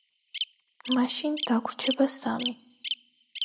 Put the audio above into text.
მაშინ, დაგვრჩება სამი.